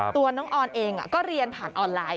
ตัวน้องออนเองก็เรียนผ่านออนไลน์